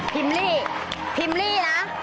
พิมพ์รีพิมพ์รีนะ